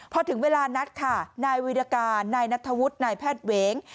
พอถึงเวลานัดค่ะนายวิรการนายนัทธวุฒินายแพทย์เหวง